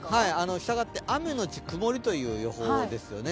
したがって、雨のち曇りという予報ですよね。